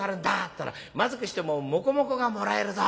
ったら『まずくしてももこもこがもらえるぞ』。